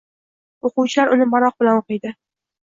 o‘quvchilar uni maroq bilan o‘qiydi.